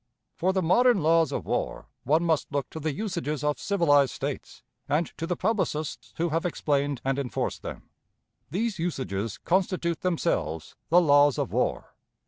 For the modern laws of war one must look to the usages of civilized states and to the publicists who have explained and enforced them. These usages constitute themselves the laws of war.